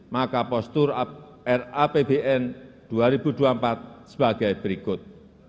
maka postur rapbn dua ribu dua puluh empat sebagai berikut